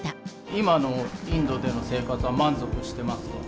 今のインドでの生活は満足してますか？